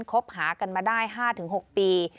คบหากันมาได้๕๖ปี